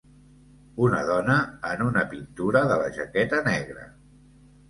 Una dona en una pintura de la jaqueta negre